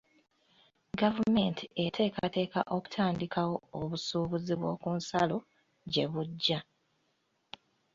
Gavumenti eteekateeka okutandikawo obusuubuzi bw'oku nsalo gye bujja.